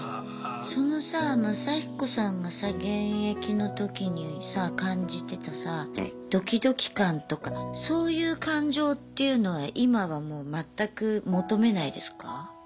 そのさマサヒコさんがさ現役の時にさ感じてたさドキドキ感とかそういう感情っていうのは今はもう全く求めないですか？